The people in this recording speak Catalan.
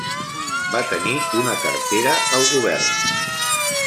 Va tenir una cartera al govern.